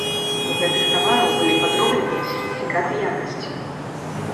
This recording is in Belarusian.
У гэтых тавараў былі падробленыя сертыфікаты якасці.